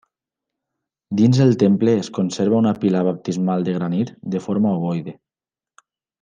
Dins el temple es conserva una pila baptismal de granit de forma ovoide.